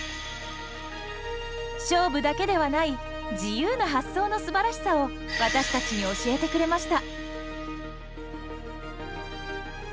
勝負だけではない自由な発想のすばらしさを私たちに教えてくれました。